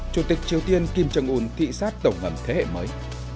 chủ tịch triều tiên kim trần ún thị xác tổng ngầm thế hệ mới